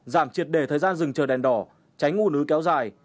giảm triệt đề thời gian dừng chờ đèn đỏ tránh ủ nứ kéo dài